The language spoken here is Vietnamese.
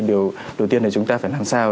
điều đầu tiên là chúng ta phải làm sao